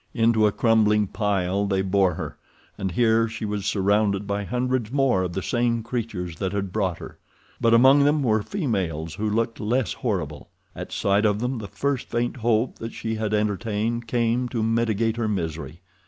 Into a crumbling pile they bore her, and here she was surrounded by hundreds more of the same creatures that had brought her; but among them were females who looked less horrible. At sight of them the first faint hope that she had entertained came to mitigate her misery.